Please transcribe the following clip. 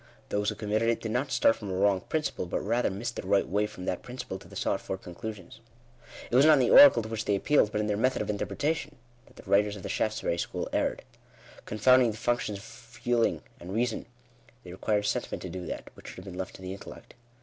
Those who committed it did not start from a wrong principle, but rather missed the right way from that principle to the sought for conclusions. It was not in the oracle to which they appealed, but in their method of interpretation, that the writers of the Shaftesbury school erred. Confound Digitized by VjOOQIC INTRODUCTION. V ^ 2tf . ing the functions of feeling and reason, they required a senti ment to do that, which should have been left to the intellect.